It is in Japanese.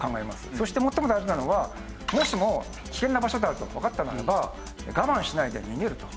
そして最も大事なのはもしも危険な場所であるとわかったならば我慢しないで逃げると。